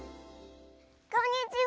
こんにちは！